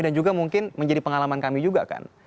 dan juga mungkin menjadi pengalaman kami juga kan